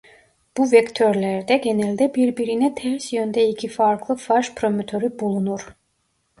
Bu vektörlerde genelde birbirine ters yönde iki farklı faj promotörü bulunur.